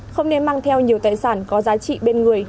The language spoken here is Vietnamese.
không nên mang theo nhiều tài sản có giá trị bên người